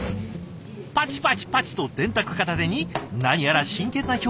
パチパチパチと電卓片手に何やら真剣な表情。